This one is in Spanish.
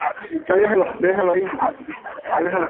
Hijo de Elias Droguett Cárdenas y Marcelina Reyes.